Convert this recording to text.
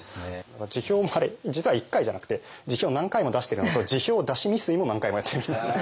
辞表もあれ実は１回じゃなくて辞表何回も出してるのと辞表出し未遂も何回もやってるんですね。